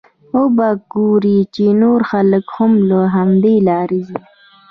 وبه ګورې چې نور خلک هم له همدې لارې ځي.